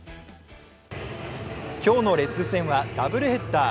今日のレッズ戦はダブルヘッダー。